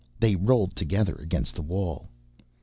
They rolled together against the wall.